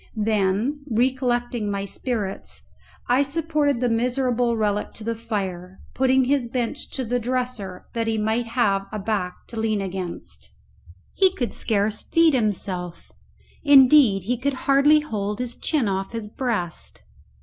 Then, re collecting my spirits, I supported the miserable relic to the fire, putting his bench to the dresser that he might have a back to lean against. He could scarce feed himself indeed, he could hardly hold his chin off his breast.